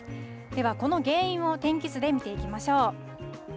では、この原因を天気図で見てみましょう。